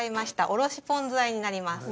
おろしポン酢和えになります。